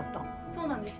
そうなんですか？